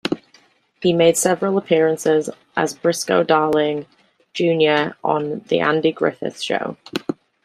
He made several appearances as Briscoe Darling, Junior on "The Andy Griffith Show".